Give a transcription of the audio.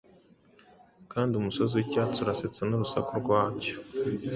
Kandi umusozi wicyatsi urasetsa n urusaku rwacyo;